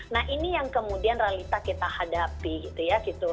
nah ini yang kemudian realita kita hadapi gitu ya gitu